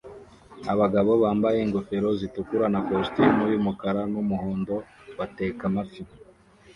Abagabo bambaye ingofero zitukura na kositimu y'umukara n'umuhondo bateka amafi